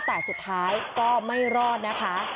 แต่สุดท้ายก็ไม่รอดนะคะ